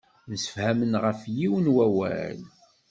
Msefhamen ɣef yiwen n wawal.